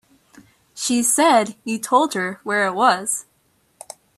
She said you told her where it was.